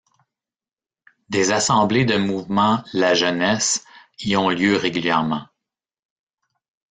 Des assemblées de mouvements la jeunesse y ont lieu régulièrement.